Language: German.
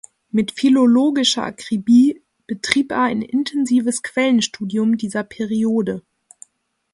Mit philologischer Akribie betrieb er ein intensives Quellenstudium dieser Periode.